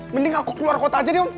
mending aku keluar kota aja nih om